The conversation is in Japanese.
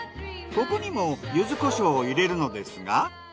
ここにも柚子胡椒を入れるのですが。